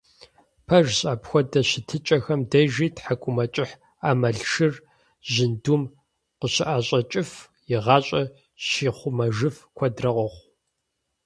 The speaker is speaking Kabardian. Пэжщ, апхуэдэ щытыкIэхэм дежи тхьэкIумэкIыхь Iэмалшыр жьындум къыщыIэщIэкIыф, и гъащIэр щихъумэжыф куэдрэ къохъу.